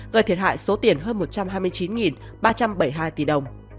gây thiệt hại số tiền hơn một trăm hai mươi chín ba trăm bảy mươi hai tỷ đồng